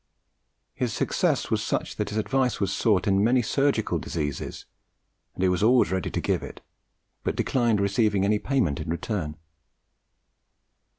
His success was such that his advice was sought in many surgical diseases, and he was always ready to give it, but declined receiving any payment in return.